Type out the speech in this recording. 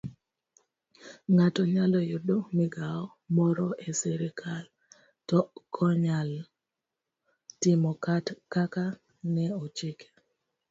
Ng'ato nyalo yudo migawo moro e sirkal to okonyal timo kaka ne ochike